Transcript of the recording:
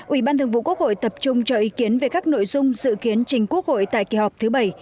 ủy ban thường vụ quốc hội tập trung cho ý kiến về các nội dung dự kiến trình quốc hội tại kỳ họp thứ bảy